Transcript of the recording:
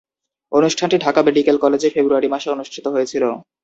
অনুষ্ঠানটি ঢাকা মেডিকেল কলেজে ফেব্রুয়ারি মাসে অনুষ্ঠিত হয়েছিলো।